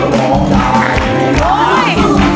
ร้องได้ถึงอย่าง